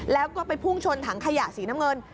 แล้วก็ไปพุ่งชนถังขยะสีน้ำเงิน